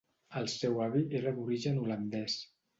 El seu avi era d'origen holandès.